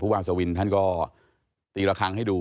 วาสวินท่านก็ตีละครั้งให้ดู